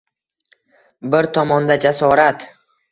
Bir tomonda jasorat.